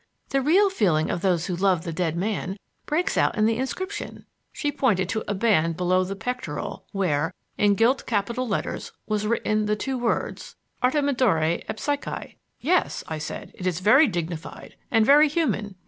The real feeling of those who loved the dead man breaks out in the inscription." She pointed to a band below the pectoral, where, in gilt capital letters, was written the two words, "ARTEMIDORE EYPSYCHI." "Yes," I said, "it is very dignified and very human."